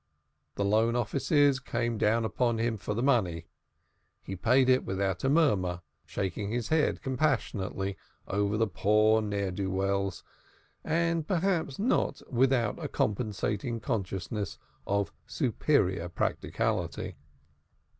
The loan offices came down upon him for the money. He paid it without a murmur, shaking his head compassionately over the poor ne'er do wells, and perhaps not without a compensating consciousness of superior practicality.